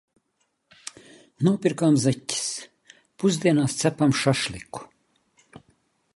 Nopirkām zeķes. Pusdienās cepam šašliku.